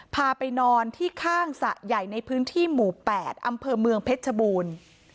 พาไปนอนที่ข้างสระใหญ่ในพื้นที่หมู่๘อำเภอเมืองเพชรชบูรณ์